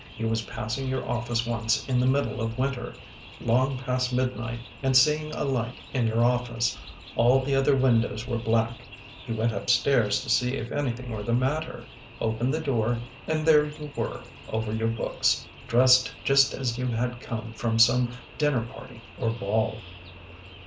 He was passing your office once in the middle of Winter, long past midnight and seeing a light in your office ; all the other windows were black, he went upstairs to see if anything were the matter, opened the door, and there you were over your books, dressed just as you had come from some dinner party or ball."